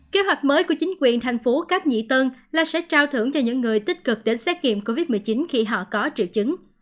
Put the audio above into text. kế hoạch mới của chính quyền thành phố các nhị tân là sẽ trao thưởng cho những người tích cực đến xét nghiệm covid một mươi chín khi họ có triệu chứng